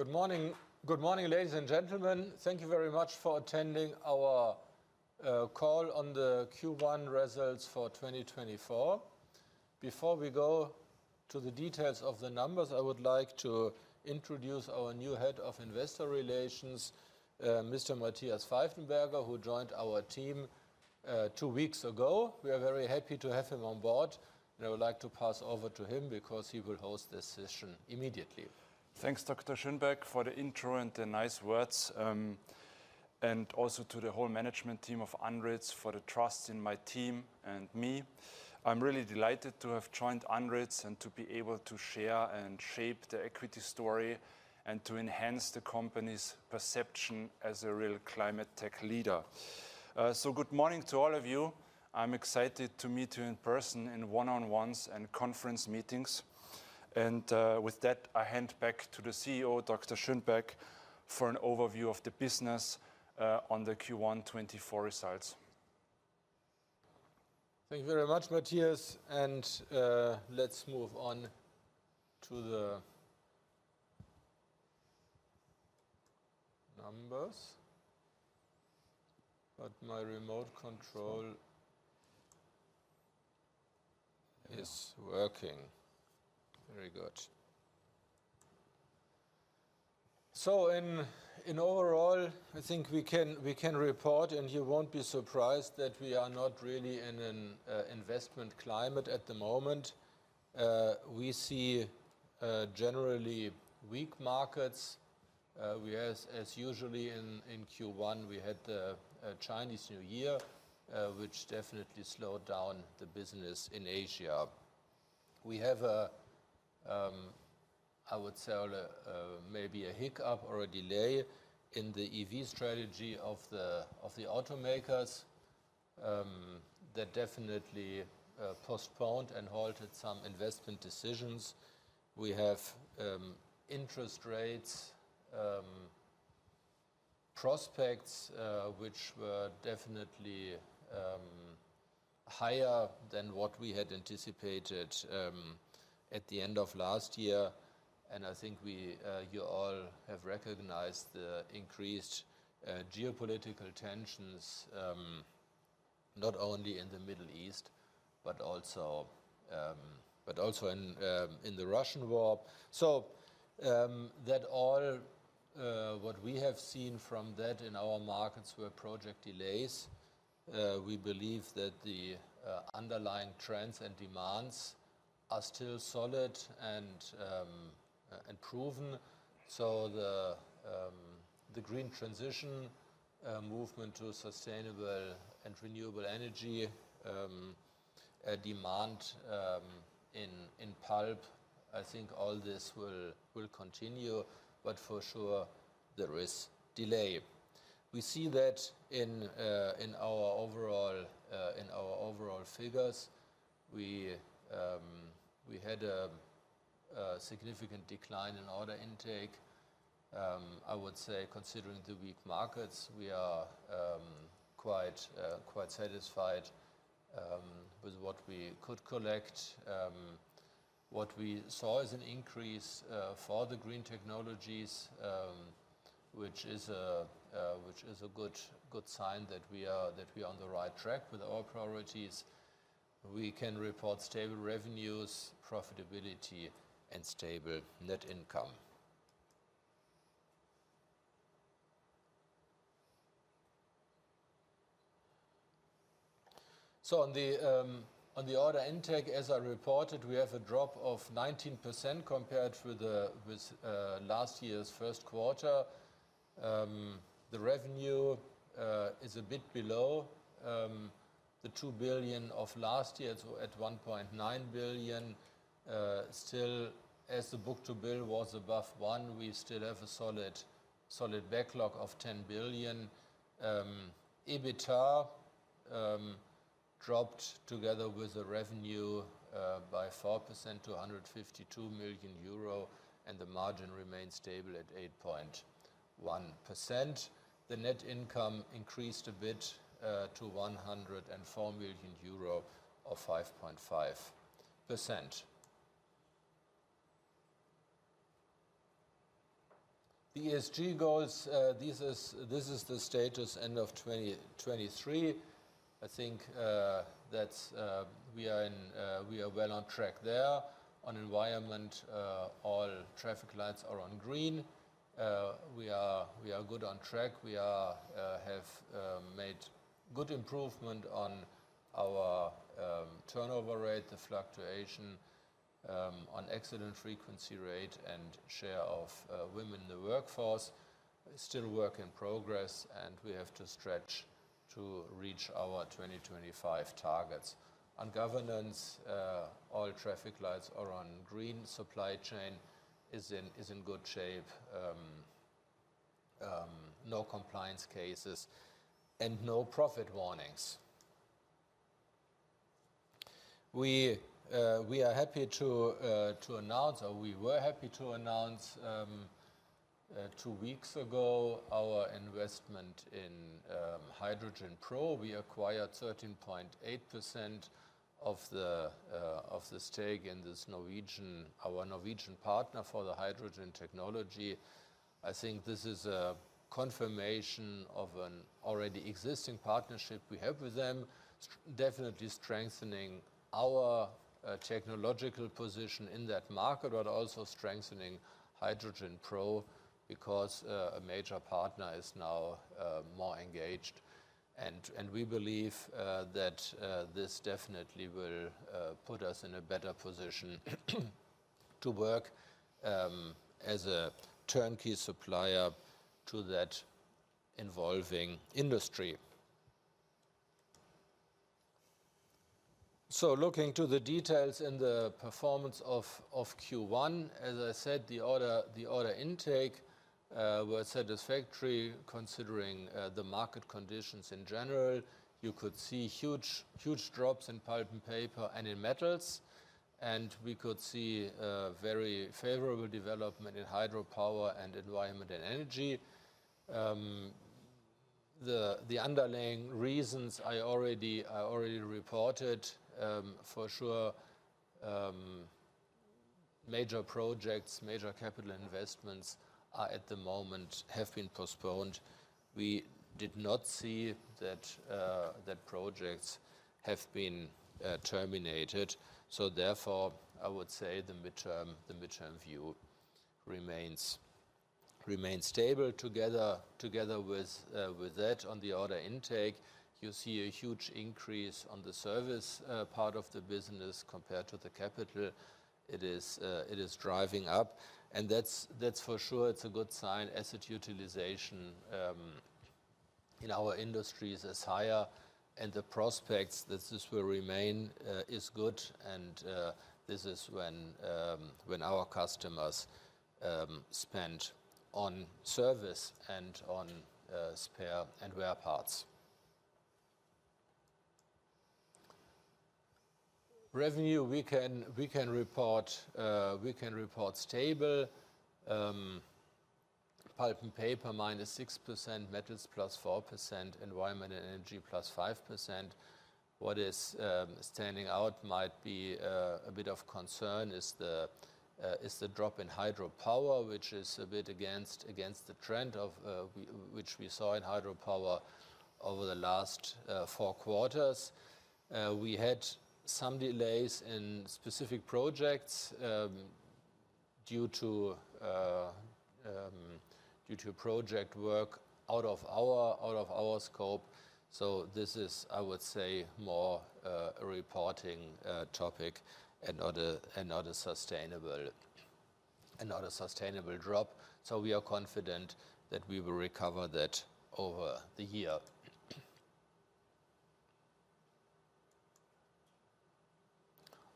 Good morning. Good morning, ladies and gentlemen. Thank you very much for attending our call on the Q1 Results for 2024. Before we go to the details of the numbers, I would like to introduce our new head of investor relations, Mr. Matthias Pfeifenberger, who joined our team two weeks ago. We are very happy to have him on board, and I would like to pass over to him because he will host this session immediately. Thanks, Dr. Schönbeck, for the intro and the nice words, and also to the whole management team of ANDRITZ for the trust in my team and me. I'm really delighted to have joined ANDRITZ, and to be able to share and shape the equity story, and to enhance the company's perception as a real climate tech leader. So good morning to all of you. I'm excited to meet you in person in one-on-ones and conference meetings. With that, I hand back to the CEO, Dr. Schönbeck, for an overview of the business, on the Q1 2024 results. Thank you very much, Matthias, and let's move on to the numbers. But my remote control is working. Very good. So, in overall, I think we can report, and you won't be surprised, that we are not really in an investment climate at the moment. We see generally weak markets. We, as usually in Q1, we had the Chinese New Year, which definitely slowed down the business in Asia. We have a, I would say, maybe a hiccup or a delay in the EV strategy of the automakers. That definitely postponed and halted some investment decisions. We have interest rates prospects, which were definitely higher than what we had anticipated at the end of last year. And I think we... You all have recognized the increased geopolitical tensions, not only in the Middle East, but also in the Russian war. So, that all, what we have seen from that in our markets were project delays. We believe that the underlying trends and demands are still solid and proven. So the green transition, movement to sustainable and renewable energy, a demand in pulp, I think all this will continue, but for sure there is delay. We see that in our overall figures. We had a significant decline in order intake. I would say considering the weak markets, we are quite satisfied with what we could collect. What we saw is an increase for the green technologies, which is a good sign that we are on the right track with our priorities. We can report stable revenues, profitability, and stable net income. So on the order intake, as I reported, we have a drop of 19% compared with last year's first quarter. The revenue is a bit below the 2 billion of last year, at 1.9 billion. Still, as the book-to-bill was above one, we still have a solid backlog of 10 billion. EBITDA dropped together with the revenue by 4% to 152 million euro, and the margin remained stable at 8.1%. The net income increased a bit to 104 million euro, or 5.5%. ESG goals, this is the status end of 2023. I think that's... we are well on track there. On environment, all traffic lights are on green. We are good on track. We have made good improvement on our turnover rate, the fluctuation, on accident frequency rate and share of women in the workforce. Still work in progress, and we have to stretch to reach our 2025 targets. On governance, all traffic lights are on green. Supply chain is in good shape. No compliance cases and no profit warnings. We, we are happy to, to announce, or we were happy to announce, two weeks ago, our investment in HydrogenPro. We acquired 13.8% of the, of the stake in this Norwegian, our Norwegian partner for the hydrogen technology. I think this is a confirmation of an already existing partnership we have with them, definitely strengthening our, technological position in that market, but also strengthening HydrogenPro because, a major partner is now, more engaged. And we believe, that, this definitely will, put us in a better position to work, as a turnkey supplier to that involving industry. So looking to the details in the performance of, Q1, as I said, the order, the order intake, was satisfactory considering, the market conditions in general. You could see huge, huge drops in pulp and paper and in metals, and we could see a very favorable development in hydropower and environment and energy. The underlying reasons I already reported. For sure, major projects, major capital investments are, at the moment, have been postponed. We did not see that projects have been terminated. So therefore, I would say the midterm, the midterm view remains, remains stable. Together, together with that, on the order intake, you see a huge increase on the service part of the business compared to the capital. It is driving up, and that's, that's for sure, it's a good sign. Asset utilization in our industries is higher, and the prospects that this will remain is good, and this is when our customers spend on service and on spare and wear parts. Revenue, we can report stable. Pulp and paper, -6%, metals +4%, environment and energy +5%. What is standing out might be a bit of concern is the drop in hydropower, which is a bit against the trend of which we saw in hydropower over the last four quarters. We had some delays in specific projects due to project work out of our scope, so this is, I would say, more a reporting topic and not a sustainable drop. So we are confident that we will recover that over the year.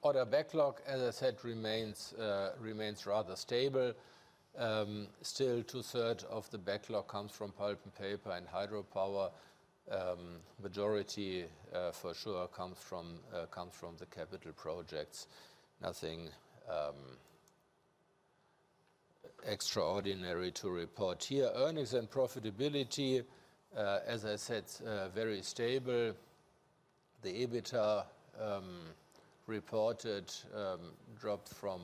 Order backlog, as I said, remains rather stable. Still, two-thirds of the backlog comes from pulp and paper and hydropower. Majority, for sure, comes from the capital projects. Nothing extraordinary to report here. Earnings and profitability, as I said, very stable. The EBITDA reported dropped from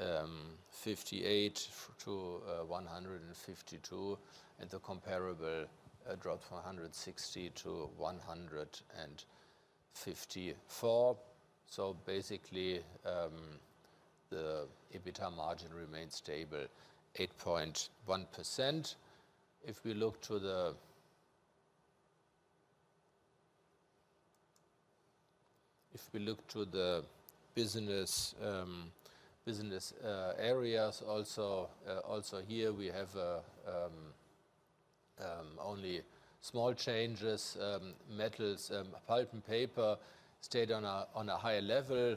158 million-152 million, and the comparable dropped from 160 million-154 million. So basically, the EBITDA margin remains stable, 8.1%. If we look to the business areas also here, we have only small changes. Metals, pulp and paper stayed on a higher level,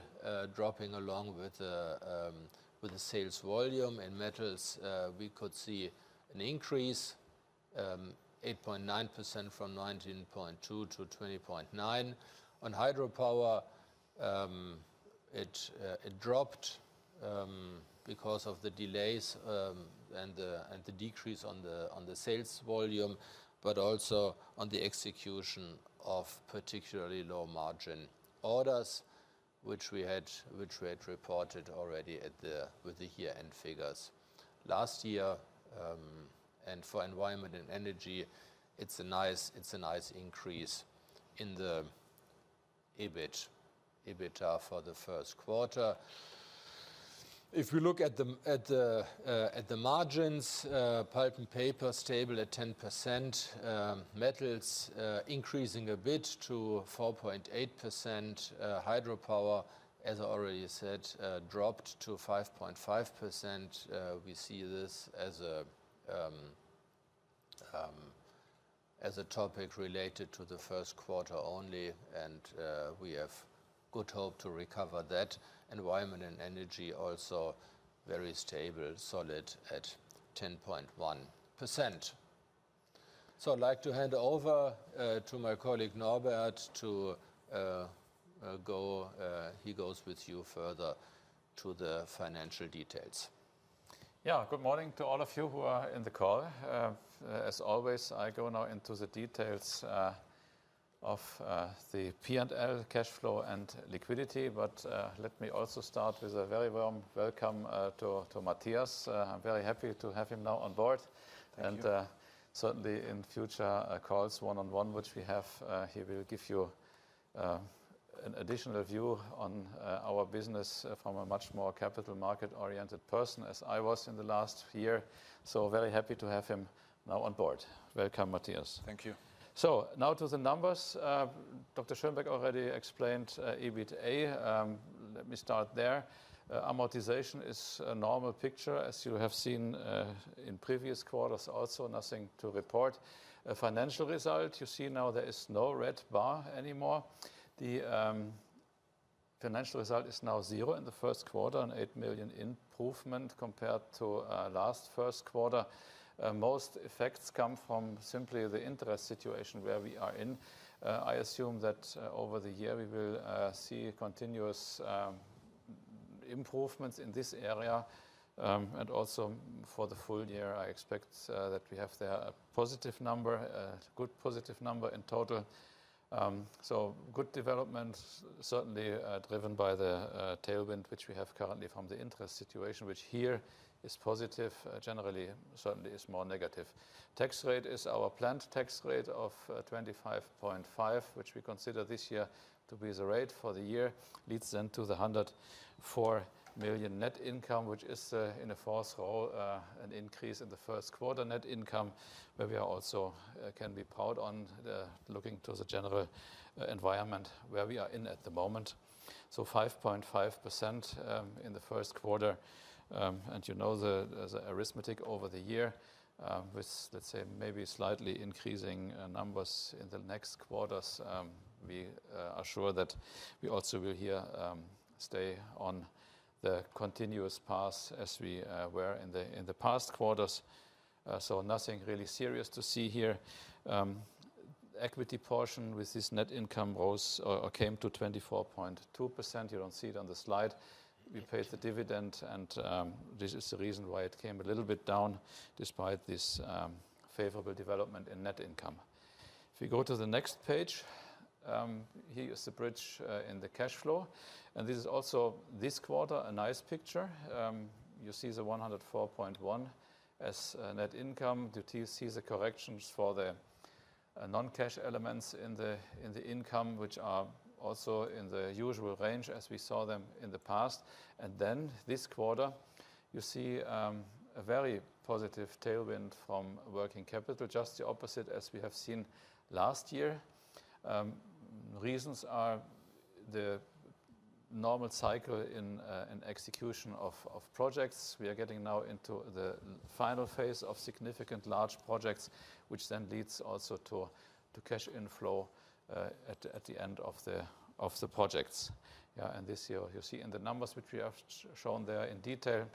dropping along with the sales volume. In metals, we could see an increase, 8.9% from 19.2-20.9. On hydropower, it dropped because of the delays, and the decrease on the sales volume, but also on the execution of particularly low-margin orders, which we had reported already at the—with the year-end figures. Last year, and for environment and energy, it's a nice, it's a nice increase in the EBIT, EBITDA for the first quarter. If we look at the margins, pulp and paper, stable at 10%. Metals, increasing a bit to 4.8%. Hydropower, as I already said, dropped to 5.5%. We see this as a, as a topic related to the first quarter only, and we have good hope to recover that. Environment and energy, also very stable, solid at 10.1%. So I'd like to hand over to my colleague, Norbert, to go... He goes with you further to the financial details. Yeah, good morning to all of you who are in the call. As always, I go now into the details of the P&L cash flow and liquidity. But let me also start with a very warm welcome to Matthias. I'm very happy to have him now on board. Thank you. And certainly, in future calls, one-on-one, which we have, he will give you an additional view on our business from a much more capital market-oriented person, as I was in the last year. So very happy to have him now on board. Welcome, Matthias. Thank you. So now to the numbers. Dr. Schönbeck already explained EBITDA. Let me start there. Amortization is a normal picture, as you have seen in previous quarters, also, nothing to report. A financial result, you see now there is no red bar anymore. The financial result is now zero in the first quarter, an 8 million improvement compared to last first quarter. Most effects come from simply the interest situation where we are in. I assume that over the year, we will see continuous improvements in this area. And also for the full year, I expect that we have there a positive number, a good positive number in total. So good development, certainly driven by the tailwind, which we have currently from the interest situation, which here is positive, generally, certainly is more negative. Tax rate is our planned tax rate of 25.5%, which we consider this year to be the rate for the year, leads then to the 104 million net income, which is in a first of all an increase in the first quarter net income, where we are also can be proud on the looking to the general environment where we are in at the moment. So 5.5% in the first quarter. And you know, the arithmetic over the year with, let's say, maybe slightly increasing numbers in the next quarters, we are sure that we also will here stay on the continuous path as we were in the past quarters. So nothing really serious to see here. Equity portion with this net income rose or, or came to 24.2%. You don't see it on the slide. We paid the dividend, and this is the reason why it came a little bit down, despite this favorable development in net income. If you go to the next page, here is the bridge in the cash flow, and this is also, this quarter, a nice picture. You see the 104.1 million as a net income. Do you see the corrections for the non-cash elements in the income, which are also in the usual range as we saw them in the past? And then, this quarter, you see a very positive tailwind from working capital, just the opposite as we have seen last year. Reasons are the normal cycle in execution of projects. We are getting now into the final phase of significant large projects, which then leads also to cash inflow at the end of the projects. And this year, you see in the numbers, which we have shown there in detail,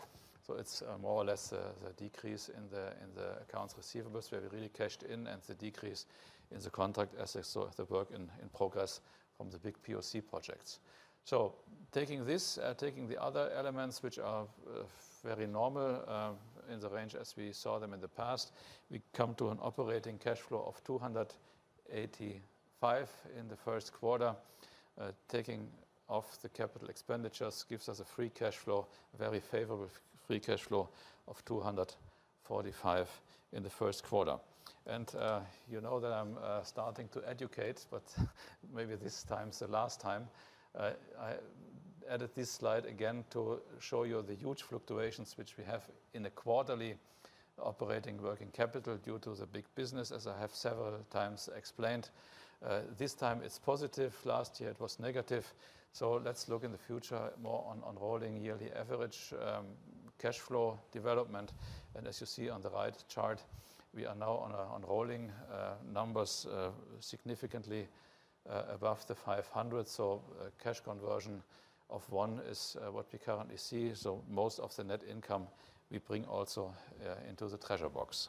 so it's more or less the decrease in the accounts receivable, where we really cashed in and the decrease in the contract assets as we saw the work in progress from the big POC projects. So taking this, taking the other elements, which are very normal in the range as we saw them in the past, we come to an operating cash flow of 285 in the first quarter. Taking off the capital expenditures gives us a free cash flow, a very favorable free cash flow of 245 in the first quarter. You know that I'm starting to educate, but maybe this time is the last time. I added this slide again to show you the huge fluctuations which we have in the quarterly operating working capital due to the big business, as I have several times explained. This time it's positive. Last year, it was negative. Let's look in the future more on rolling yearly average cash flow development. As you see on the right chart, we are now on rolling numbers significantly above 500. Cash conversion of one is what we currently see. Most of the net income we bring also into the treasure box.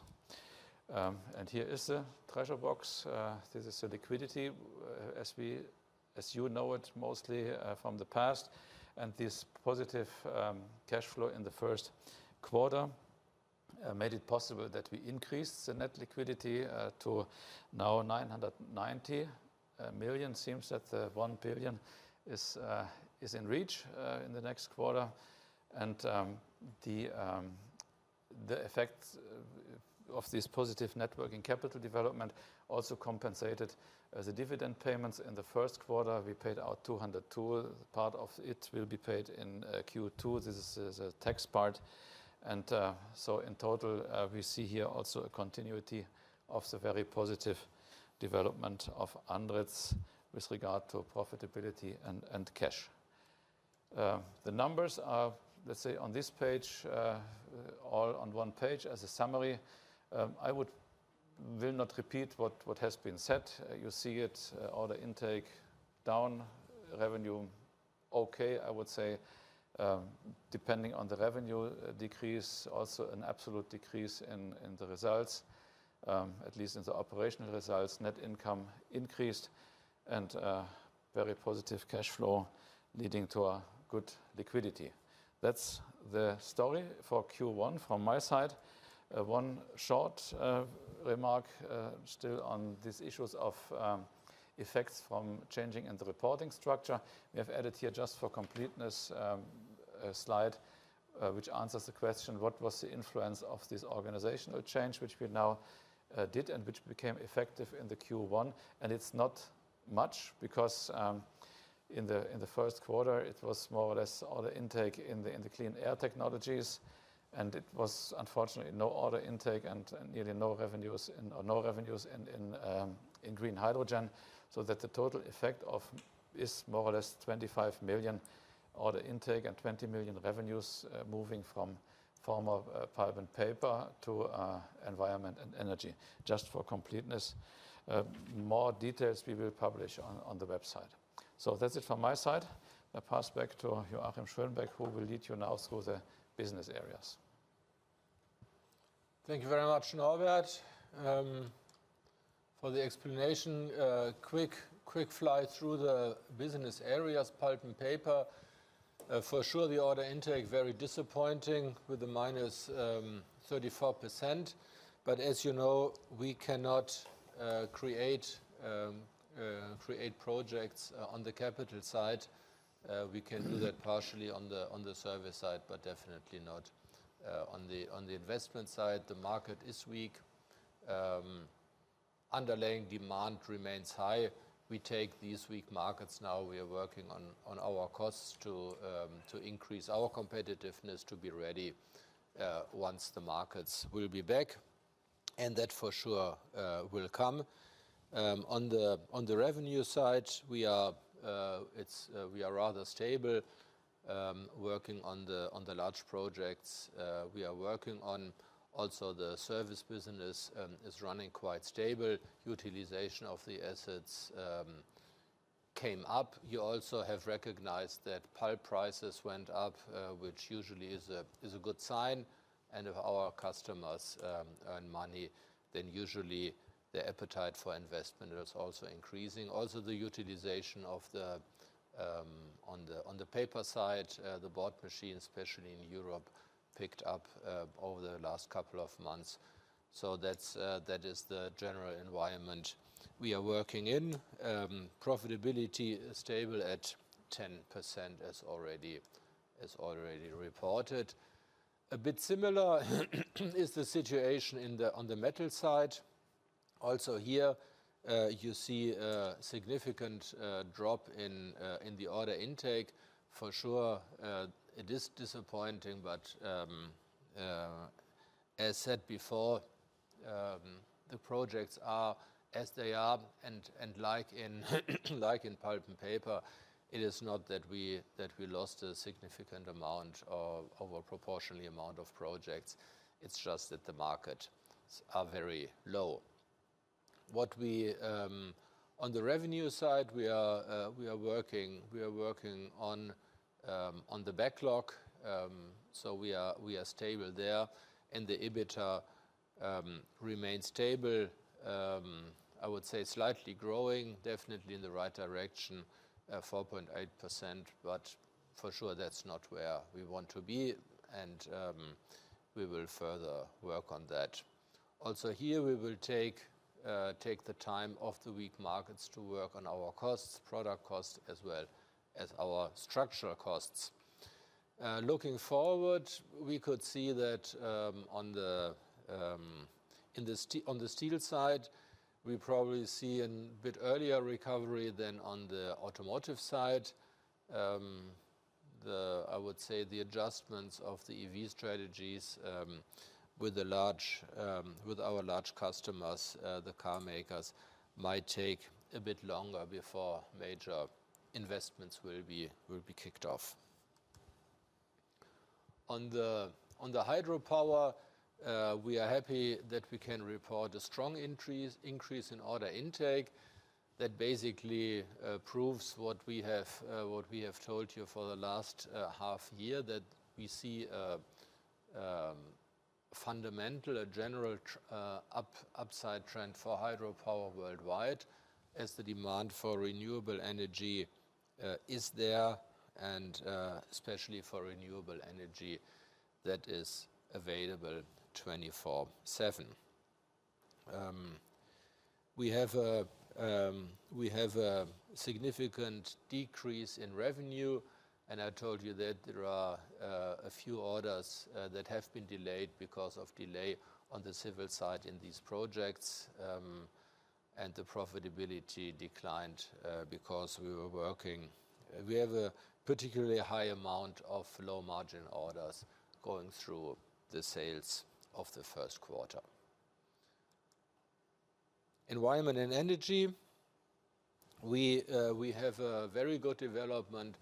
Here is the treasure box. This is the liquidity as you know it, mostly from the past. This positive cash flow in the first quarter made it possible that we increased the net liquidity to now 990 million. Seems that the 1 billion is in reach in the next quarter. The effects of this positive net working capital development also compensated the dividend payments in the first quarter. We paid out 202 million. Part of it will be paid in Q2. This is the tax part. So in total, we see here also a continuity of the very positive development of ANDRITZ with regard to profitability and cash. The numbers are, let's say, on this page, all on one page as a summary. I will not repeat what has been said. You see it, order intake down, revenue, okay, I would say. Depending on the revenue decrease, also an absolute decrease in the results. At least in the operational results, net income increased and very positive cash flow, leading to a good liquidity. That's the story for Q1 from my side. One short remark, still on these issues of effects from changing in the reporting structure. We have added here, just for completeness, a slide, which answers the question: What was the influence of this organizational change, which we now did, and which became effective in the Q1? And it's not much, because, in the, in the first quarter, it was more or less order intake in the, in the Clean Air Technologies, and it was unfortunately, no order intake and, and really no revenues and, or no revenues in, in, in green hydrogen. So that the total effect is more or less 25 million order intake and 20 million revenues, moving from former Pulp & Paper to, Environment & Energy, just for completeness. More details we will publish on, on the website. So that's it from my side. I'll pass back to Joachim Schönbeck, who will lead you now through the business areas. Thank you very much, Norbert, for the explanation. Quick fly through the business areas. Pulp & Paper, for sure, the order intake, very disappointing, with a minus 34%. But as you know, we cannot create projects on the capital side. We can do that partially on the service side, but definitely not on the investment side. The market is weak. Underlying demand remains high. We take these weak markets now. We are working on our costs to increase our competitiveness to be ready once the markets will be back, and that for sure will come. On the revenue side, we are rather stable, working on the large projects we are working on. Also, the service business is running quite stable. Utilization of the assets came up. You also have recognized that pulp prices went up, which usually is a good sign, and if our customers earn money, then usually their appetite for investment is also increasing. Also, the utilization on the paper side the board machines, especially in Europe, picked up over the last couple of months. So that is the general environment we are working in. Profitability is stable at 10%, as already reported. A bit similar is the situation on the metals side. Also here you see a significant drop in the order intake. For sure, it is disappointing, but, as said before, the projects are as they are, and like in Pulp & Paper, it is not that we lost a significant amount or over proportionally amount of projects; it's just that the markets are very low. On the revenue side, we are working on the backlog. So we are stable there, and the EBITDA remains stable. I would say slightly growing, definitely in the right direction, 4.8%, but for sure, that's not where we want to be, and we will further work on that. Also, here, we will take the time of the weak markets to work on our costs, product costs, as well as our structural costs. Looking forward, we could see that, on the steel side, we probably see a bit earlier recovery than on the automotive side. I would say, the adjustments of the EV strategies, with our large customers, the carmakers, might take a bit longer before major investments will be kicked off. On the hydropower, we are happy that we can report a strong increase in order intake. That basically proves what we have told you for the last half year, that we see a fundamental, a general upside trend for hydropower worldwide, as the demand for renewable energy is there, and especially for renewable energy that is available twenty-four seven. We have a significant decrease in revenue, and I told you that there are a few orders that have been delayed because of delay on the civil side in these projects. And the profitability declined because we have a particularly high amount of low-margin orders going through the sales of the first quarter. Environment and Energy. We have a very good development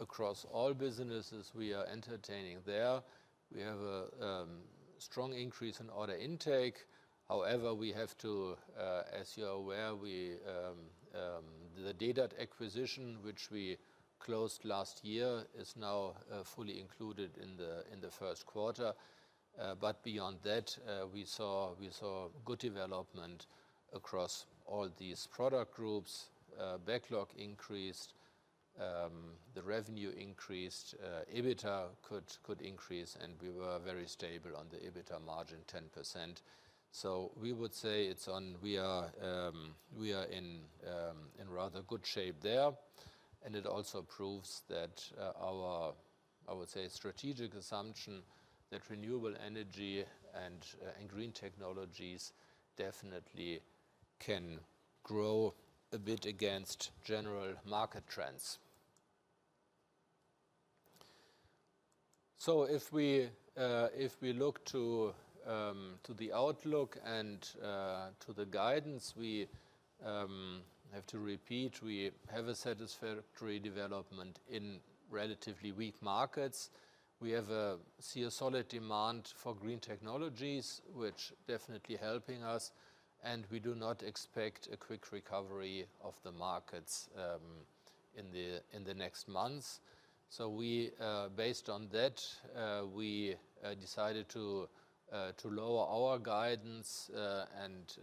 across all businesses we are entertaining there. We have a strong increase in order intake. However, we have to, as you are aware, we, the Dan-Web acquisition, which we closed last year, is now fully included in the first quarter. But beyond that, we saw good development across all these product groups. Backlog increased, the revenue increased, EBITDA could increase, and we were very stable on the EBITDA margin, 10%. So we would say it's on. We are in rather good shape there, and it also proves that our, I would say, strategic assumption that renewable energy and green technologies definitely can grow a bit against general market trends. So if we look to the outlook and to the guidance, we have to repeat, we have a satisfactory development in relatively weak markets. We see a solid demand for green technologies, which definitely helping us, and we do not expect a quick recovery of the markets in the next months. So we based on that we decided to lower our guidance. And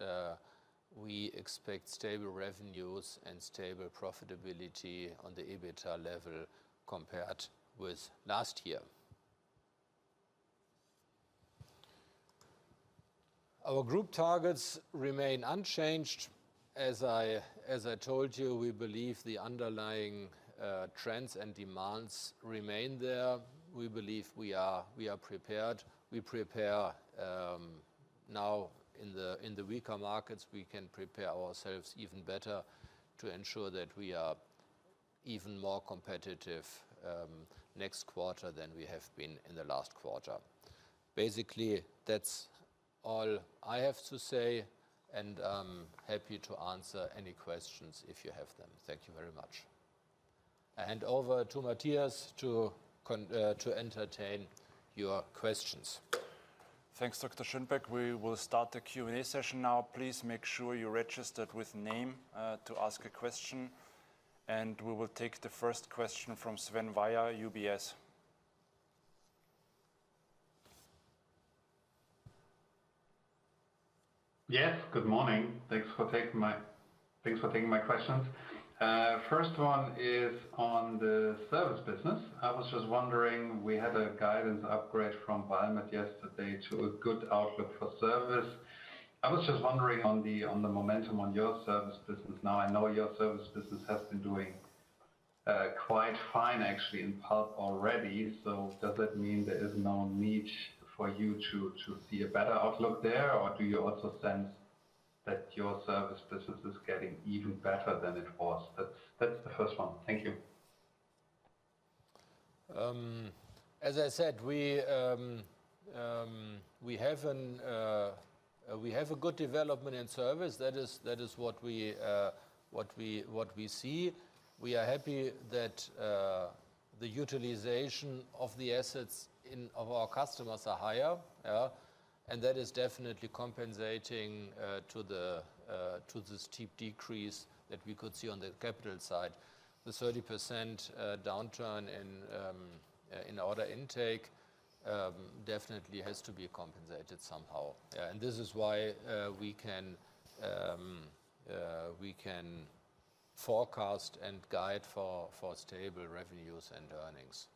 we expect stable revenues and stable profitability on the EBITDA level compared with last year. Our group targets remain unchanged. As I told you, we believe the underlying trends and demands remain there. We believe we are prepared. We prepare now in the weaker markets; we can prepare ourselves even better to ensure that we are even more competitive next quarter than we have been in the last quarter. Basically, that's all I have to say, and I'm happy to answer any questions if you have them. Thank you very much. I hand over to Matthias to entertain your questions. Thanks, Dr. Schönbeck. We will start the Q&A session now. Please make sure you're registered with name to ask a question, and we will take the first question from Sven Weier, UBS. Yes, good morning. Thanks for taking my questions. First one is on the service business. I was just wondering, we had a guidance upgrade from Valmet yesterday to a good outlook for service. I was just wondering on the momentum on your service business. Now, I know your service business has been doing quite fine actually in pulp already. So does that mean there is no need for you to see a better outlook there? Or do you also sense that your service business is getting even better than it was? That's the first one. Thank you. As I said, we have a good development in service. That is what we see. We are happy that the utilization of the assets of our customers are higher, yeah. And that is definitely compensating to the steep decrease that we could see on the capital side. The 30% downturn in order intake definitely has to be compensated somehow. And this is why we can forecast and guide for stable revenues and earnings.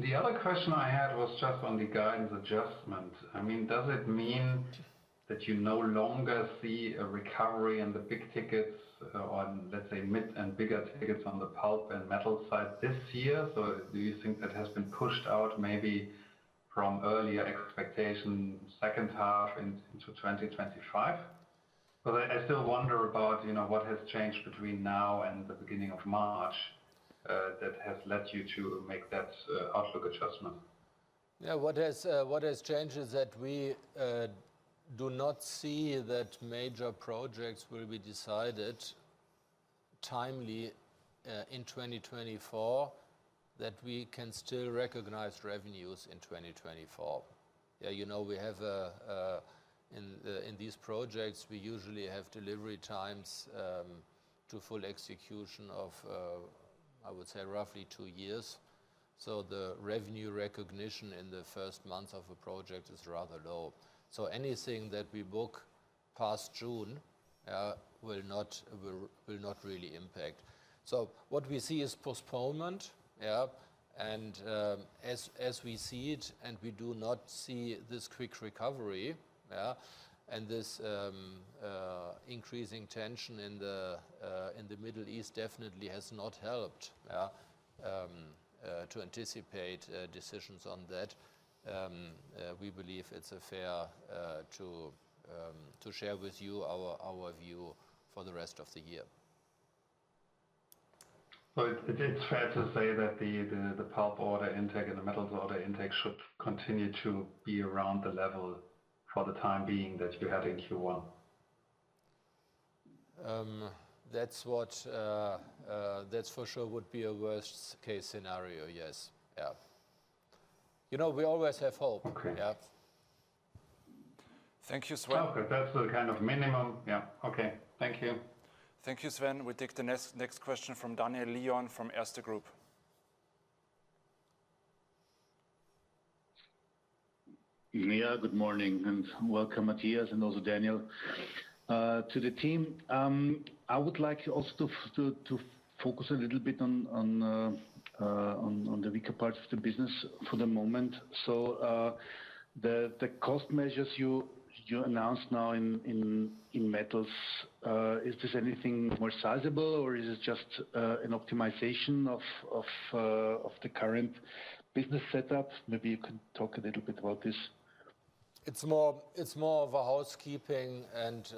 The other question I had was just on the guidance adjustment. I mean, does it mean that you no longer see a recovery in the big tickets on, let's say, mid and bigger tickets on the pulp and metal side this year? So do you think that has been pushed out maybe from earlier expectation, second half into 2025? But I, I still wonder about, you know, what has changed between now and the beginning of March, that has led you to make that, outlook adjustment. Yeah. What has changed is that we do not see that major projects will be decided timely in 2024, that we can still recognize revenues in 2024. Yeah, you know, we have a, a... In these projects, we usually have delivery times to full execution of, I would say, roughly two years. So the revenue recognition in the first month of a project is rather low. So anything that we book past June will not really impact. So what we see is postponement, yeah, and, as we see it, and we do not see this quick recovery, yeah. And this increasing tension in the Middle East definitely has not helped, yeah, to anticipate decisions on that. We believe it's fair to share with you our view for the rest of the year. So, it's fair to say that the pulp order intake and the metals order intake should continue to be around the level for the time being that you had in Q1? That for sure would be a worst-case scenario. Yes. Yeah. You know, we always have hope. Okay. Yeah. Thank you, Sven. Okay, that's the kind of minimum. Yeah, okay. Thank you. Thank you, Sven. We take the next question from Daniel Lion from Erste Group. Yeah, good morning, and welcome, Matthias, and also Daniel, to the team. I would like also to focus a little bit on the weaker parts of the business for the moment. So, the cost measures you announced now in metals, is this anything more sizable or is it just an optimization of the current business setup? Maybe you can talk a little bit about this. It's more of a housekeeping, and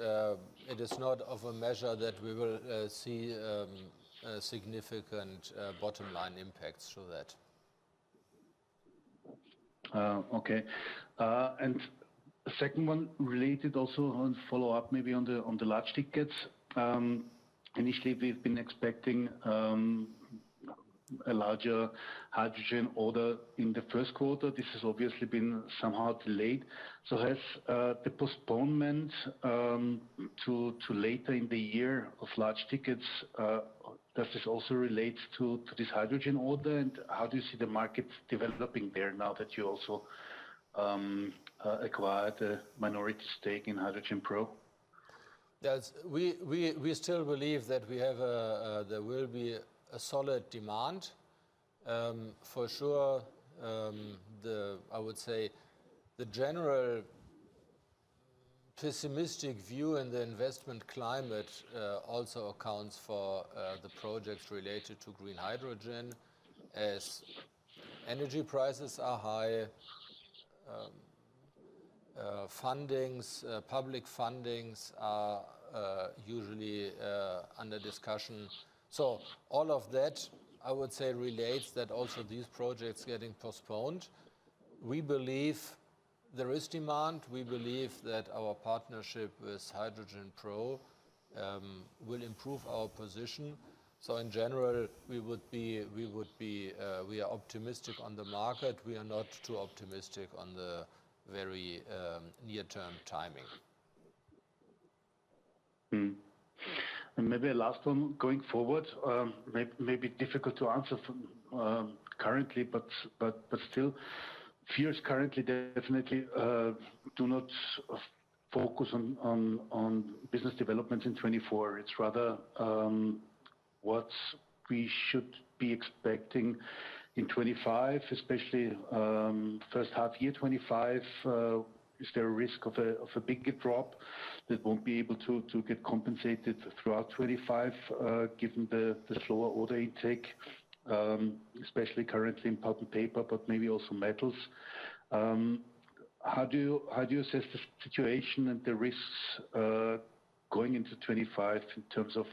it is not of a measure that we will see a significant bottom line impact through that. Okay. And second one, related also on follow-up, maybe on the large tickets. Initially, we've been expecting a larger hydrogen order in the first quarter. This has obviously been somehow delayed. So has the postponement to later in the year of large tickets does this also relate to this hydrogen order? And how do you see the market developing there now that you also acquired a minority stake in HydrogenPro? We still believe that there will be a solid demand. For sure, I would say, the general pessimistic view in the investment climate also accounts for the projects related to green hydrogen. As energy prices are high, fundings, public fundings are usually under discussion. So all of that, I would say, relates that also these projects getting postponed. We believe there is demand. We believe that our partnership with HydrogenPro will improve our position. So in general, we are optimistic on the market. We are not too optimistic on the very near-term timing. And maybe a last one going forward, may be difficult to answer from currently, but still, fears currently definitely do not focus on business development in 2024. It's rather what we should be expecting in 2025, especially first half year, 2025. Is there a risk of a bigger drop that won't be able to get compensated throughout 2025, given the slower order intake, especially currently in pulp and paper, but maybe also metals? How do you assess the situation and the risks going into 2025 in terms of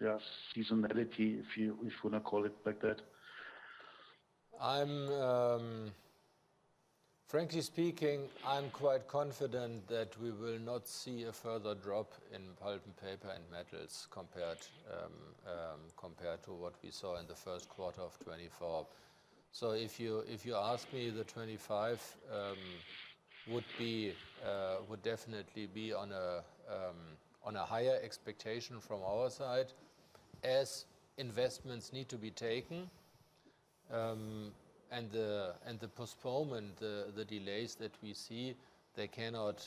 just seasonality, if you want to call it like that? Frankly speaking, I'm quite confident that we will not see a further drop in pulp and paper and metals compared compared to what we saw in the first quarter of 2024. So if you ask me, 2025 would definitely be on a higher expectation from our side as investments need to be taken. And the postponement, the delays that we see, they cannot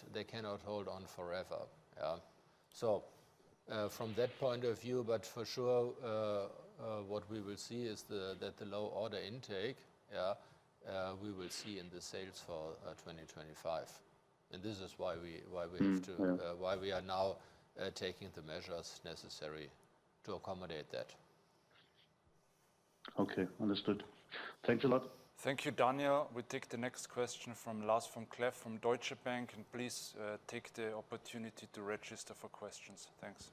hold on forever. Yeah. So from that point of view, but for sure, what we will see is that the low order intake, yeah, we will see in the sales for 2025, and this is why we have to- Yeah. Why we are now taking the measures necessary to accommodate that. Okay, understood. Thanks a lot. Thank you, Daniel. We take the next question from Lars vom Cleff from Deutsche Bank, and please, take the opportunity to register for questions. Thanks.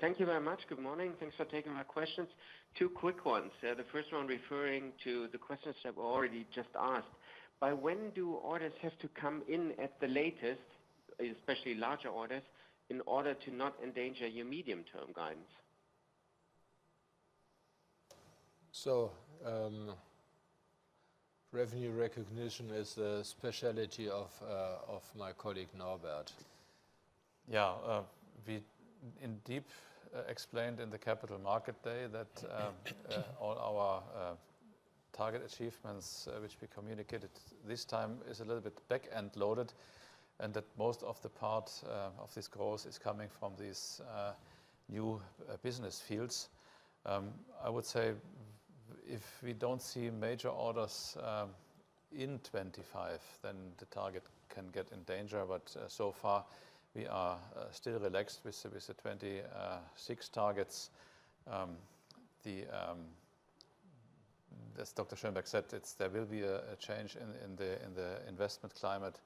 Thank you very much. Good morning. Thanks for taking my questions. Two quick ones. The first one referring to the questions that were already just asked. By when do orders have to come in at the latest, especially larger orders, in order to not endanger your medium-term guidance? Revenue recognition is a specialty of my colleague, Norbert. Yeah, we indeed explained in the Capital Markets Day that all our target achievements, which we communicated this time, is a little bit back-end loaded, and that most of the parts of this growth is coming from these new business fields. I would say if we don't see major orders in 2025, then the target can get in danger. But so far, we are still relaxed with the 2026 targets. As Dr. Schönbeck said, it's there will be a change in the investment climate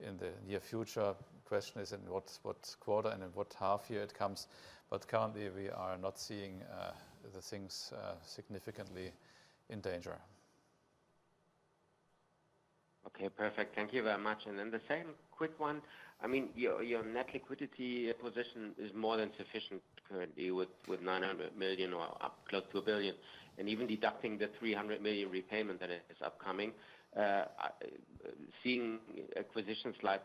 in the near future. Question is in what quarter and in what half year it comes, but currently, we are not seeing the things significantly in danger. Okay, perfect. Thank you very much. And then the second quick one, I mean, your, your net liquidity position is more than sufficient currently with, with 900 million or up close to a billion, and even deducting the 300 million repayment that is upcoming. Seeing acquisitions like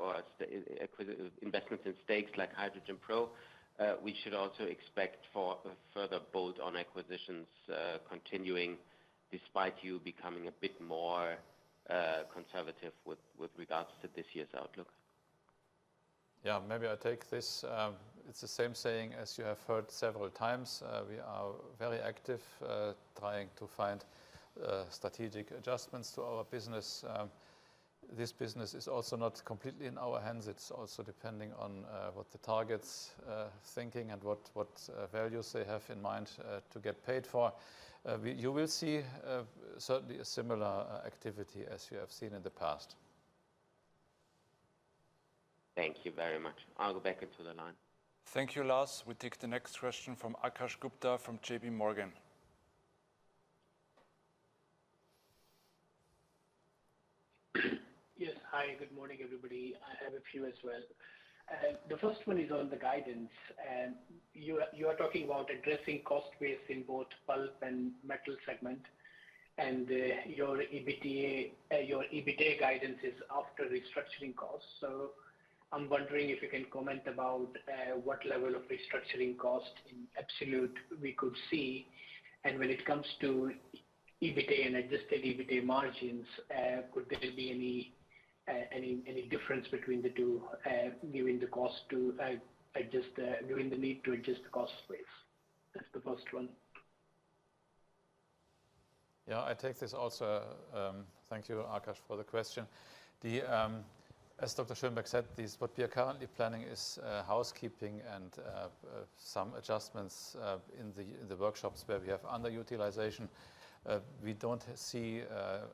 investments in stakes like HydrogenPro, we should also expect further bolt-on acquisitions continuing despite you becoming a bit more conservative with regards to this year's outlook? Yeah, maybe I take this. It's the same saying as you have heard several times. We are very active trying to find strategic adjustments to our business. This business is also not completely in our hands. It's also depending on what the target's thinking and what values they have in mind to get paid for. You will see certainly a similar activity as you have seen in the past. Thank you very much. I'll go back into the line. Thank you, Lars. We take the next question from Akash Gupta from J.P. Morgan. Yes. Hi, good morning, everybody. I have a few as well. The first one is on the guidance, and you are, you are talking about addressing cost base in both pulp and metal segment, and your EBITDA, your EBITDA guidance is after restructuring costs. So I'm wondering if you can comment about what level of restructuring cost in absolute we could see. And when it comes to EBITDA and adjusted EBITDA margins, could there be any, any, any difference between the two, given the cost to, adjust, given the need to adjust the cost base? That's the first one. Yeah, I take this also. Thank you, Akash, for the question. As Dr. Schönbeck said, this, what we are currently planning is housekeeping and some adjustments in the workshops where we have underutilization. We don't see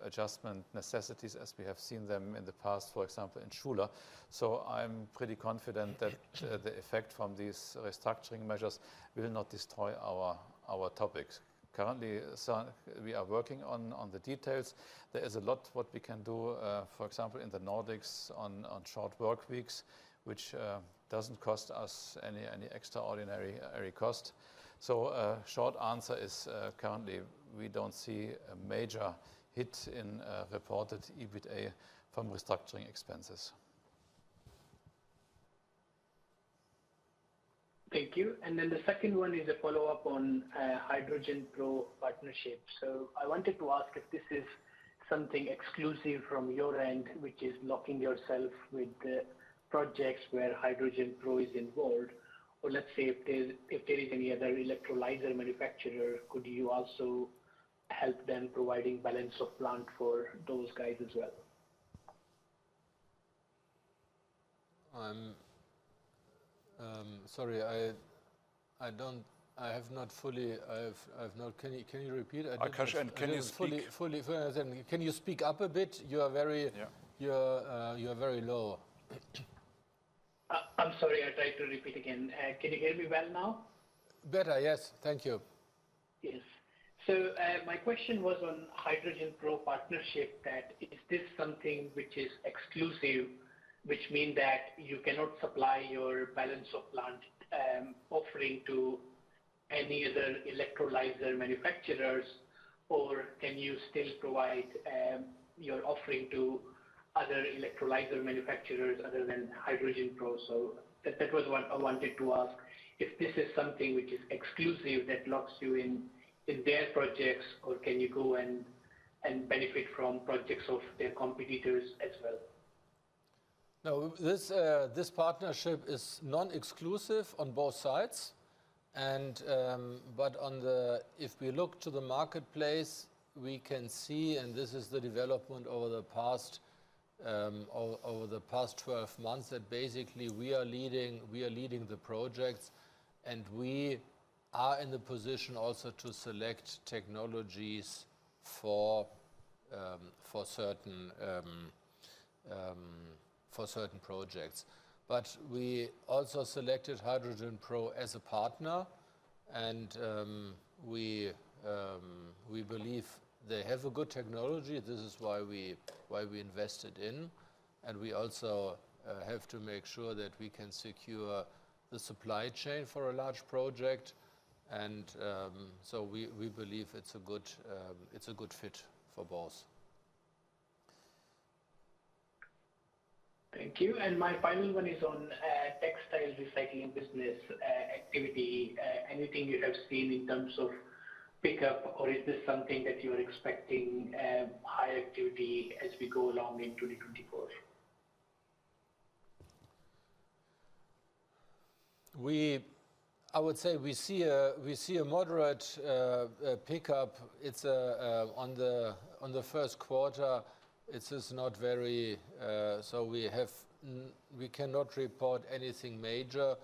adjustment necessities as we have seen them in the past, for example, in Schuler. So I'm pretty confident that the effect from these restructuring measures will not destroy our topics. Currently, so we are working on the details. There is a lot what we can do, for example, in the Nordics, on short workweeks, which doesn't cost us any extraordinary ordinary cost. So, short answer is, currently, we don't see a major hit in reported EBITDA from restructuring expenses. Thank you. And then the second one is a follow-up on HydrogenPro partnership. So I wanted to ask if this is something exclusive from your end, which is locking yourself with the projects where HydrogenPro is involved, or let's say, if there is any other electrolyzer manufacturer, could you also help them, providing balance of plant for those guys as well? I'm sorry. I don't. I have not fully... I've not. Can you repeat? I- Akash, can you speak- I don't fully, fully understand. Can you speak up a bit? You are very- Yeah. You're, you're very low. I'm sorry. I'll try to repeat again. Can you hear me well now? Better, yes. Thank you. Yes. So, my question was on HydrogenPro partnership, that is this something which is exclusive, which mean that you cannot supply your balance of plant, offering to any other electrolyzer manufacturers, or can you still provide, your offering to other electrolyzer manufacturers other than HydrogenPro? So that, that was what I wanted to ask. If this is something which is exclusive that locks you in, in their projects, or can you go and, and benefit from projects of their competitors as well? No, this partnership is non-exclusive on both sides. But if we look to the marketplace, we can see, and this is the development over the past 12 months, that basically we are leading the projects, and we are in the position also to select technologies for certain projects. But we also selected HydrogenPro as a partner, and we believe they have a good technology. This is why we invested in. And we also have to make sure that we can secure the supply chain for a large project, and so we believe it's a good fit for both. Thank you. And my final one is on textile recycling business activity. Anything you have seen in terms of pickup, or is this something that you are expecting high activity as we go along in 2024? I would say we see a moderate pickup. It's on the first quarter, it is not very, so we cannot report anything major,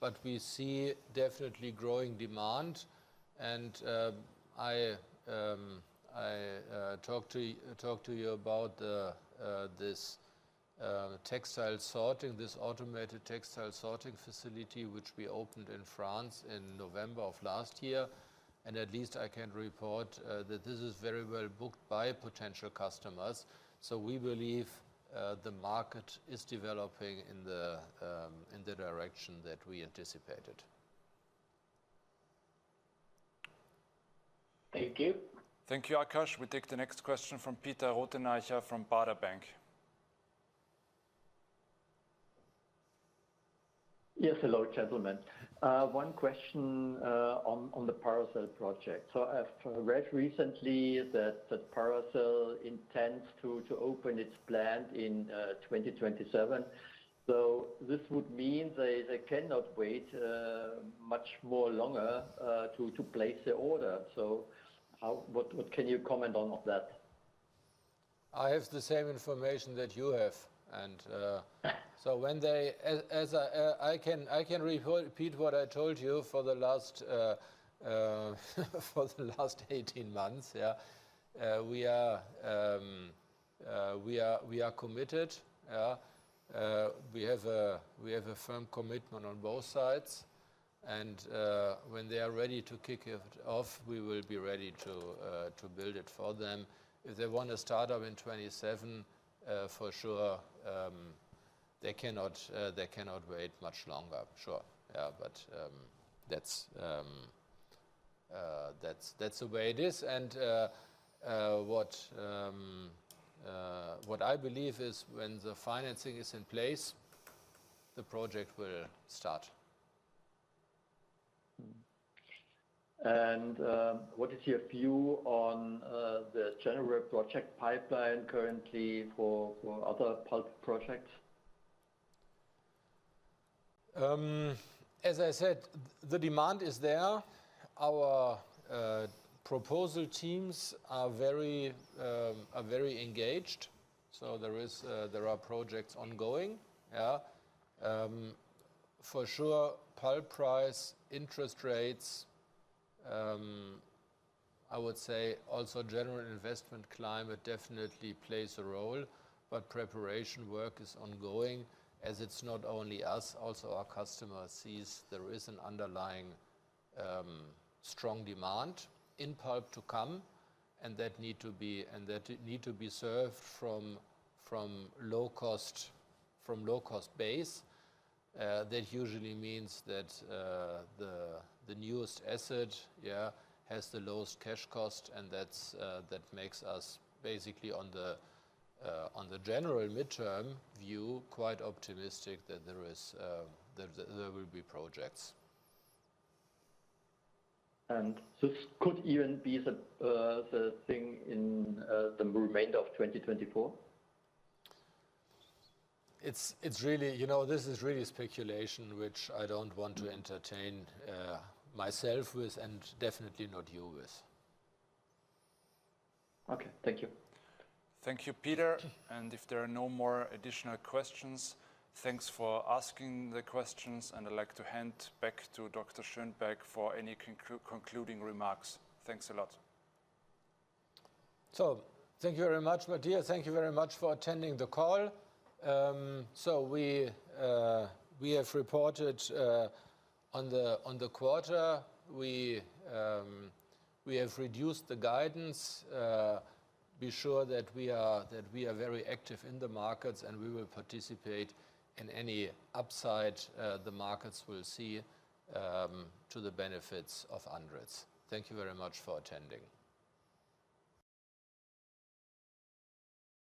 but we see definitely growing demand. And, I talked to you about the, this textile sorting, this automated textile sorting facility, which we opened in France in November of last year. And at least I can report that this is very well booked by potential customers. So we believe the market is developing in the direction that we anticipated. Thank you. Thank you, Akash. We take the next question from Peter Rothenaicher from Baader Bank. Yes, hello, gentlemen. One question on the Paracel project. So I've read recently that Paracel intends to open its plant in 2027. So this would mean they cannot wait much more longer to place the order. So what can you comment on that? I have the same information that you have. So when they, as I can repeat what I told you for the last eighteen months. Yeah. We are committed. We have a firm commitment on both sides, and when they are ready to kick it off, we will be ready to build it for them. If they want to start up in 2027, for sure, they cannot wait much longer. Sure. Yeah, but that's the way it is. And what I believe is when the financing is in place, the project will start. What is your view on the general project pipeline currently for other pulp projects? As I said, the demand is there. Our proposal teams are very engaged, so there are projects ongoing. Yeah. For sure, pulp price, interest rates, I would say also general investment climate definitely plays a role, but preparation work is ongoing, as it's not only us, also our customer sees there is an underlying strong demand in pulp to come, and that need to be served from low-cost base. That usually means that the newest asset, yeah, has the lowest cash cost, and that's. That makes us basically on the general midterm view, quite optimistic that there will be projects. And this could even be the thing in the remainder of 2024? It's really... You know, this is really speculation, which I don't want to entertain myself with, and definitely not you with. Okay. Thank you. Thank you, Peter. If there are no more additional questions, thanks for asking the questions, and I'd like to hand back to Dr. Schönbeck for any concluding remarks. Thanks a lot. So thank you very much, Matthias. Thank you very much for attending the call. So we have reported on the quarter. We have reduced the guidance. Be sure that we are very active in the markets, and we will participate in any upside the markets will see, to the benefits of ANDRITZ. Thank you very much for attending.